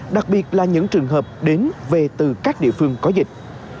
đặc biệt là những trường hợp đến về từ các địa phương có dịch